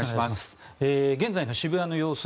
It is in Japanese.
現在の渋谷の様子